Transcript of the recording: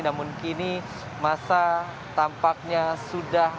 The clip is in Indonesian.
namun kini masa tampaknya sudah